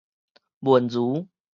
玟儒